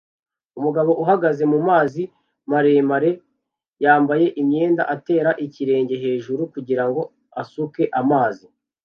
Umugabo uhagaze mumazi maremare yambaye imyenda atera ikirenge hejuru kugirango asuke amazi